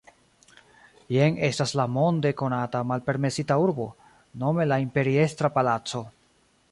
Jen estas la monde konata Malpermesita Urbo, nome la Imperiestra Palaco.